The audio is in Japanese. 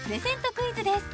クイズです